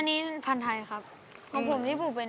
อันนี้พันทัยครับของผมที่บุ๊บเป็น